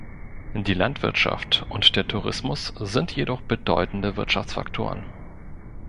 Die Landwirtschaft und der Tourismus sind jedoch bedeutende Wirtschaftsfaktoren.